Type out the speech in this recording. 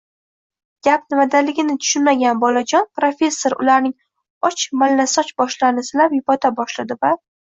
Gap nimadaligini tushunmagan bolajon professor ularning och mallasoch boshlarini silab yupata boshladi va